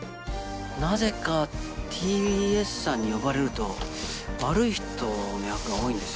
なぜかＴＢＳさんに呼ばれると悪い人の役が多いんです